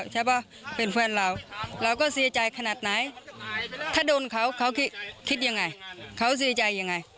ถ้าโดนเขาเขาคิดยังไงเขาเสียใจยังไง